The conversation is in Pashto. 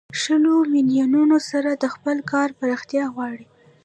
شلو میلیونو سره د خپل کار پراختیا غواړي